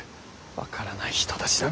分からない人たちだな。